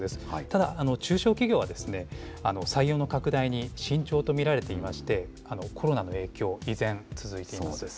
ただ、中小企業は採用の拡大に慎重と見られていまして、コロナの影響、依然続いています。